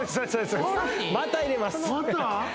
また入れます